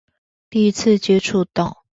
第一次接觸到